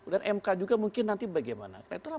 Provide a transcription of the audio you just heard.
dan mk juga mungkin nanti bagaimana